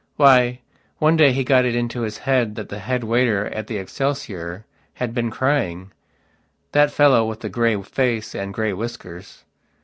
Why, one day he got it into his head that the head waiter at the Excelsior had been cryingthe fellow with the grey face and grey whiskers.